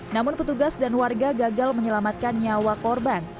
namun petugas dan warga gagal menyelamatkan nyawa korban